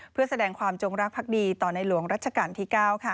เพื่อแสดงความจงรักภักดีต่อในหลวงรัชกาลที่๙